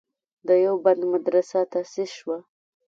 دیوبند مدرسه تاسیس شوه.